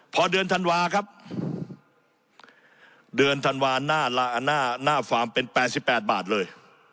พอเดือนธันวาค์ครับเดือนธันวาค์หน้าหน้าหน้าฟาร์มเป็นแปดสิบแปดบาทเลย